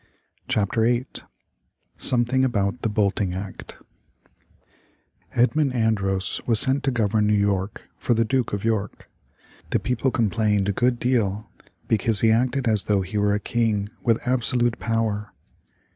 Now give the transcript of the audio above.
CHAPTER VIII SOMETHING about the BOLTING ACT Edmund Andros was sent to govern New York for the Duke of York. The people complained a good deal because he acted as though he were a king with absolute power.